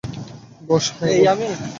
ব্যস হ্যাঁ বলো।